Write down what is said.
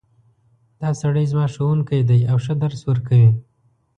دا سړی زما ښوونکی ده او ښه درس ورکوی